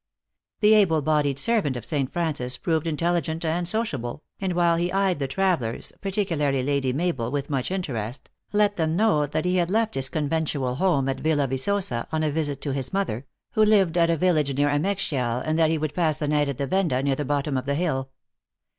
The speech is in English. The able bodied servant of St. Francis proved intel ligent and sociable, and, while he eyed the travelers, particularly Lady Mabel, with much interest, let them know that he had left his conventual home at Yilla Yicosa, on a visit to his mother, w r ho lived at a village near Ameixial, and that he would pass the night at the venda near the bottom of the hill.